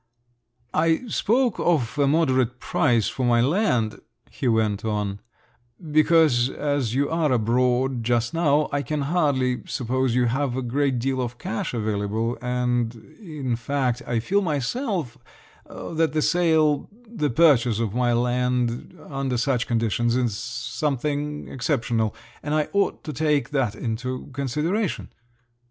"I spoke of a moderate price for my land," he went on, "because as you are abroad just now, I can hardly suppose you have a great deal of cash available, and in fact, I feel myself that the sale … the purchase of my land, under such conditions is something exceptional, and I ought to take that into consideration."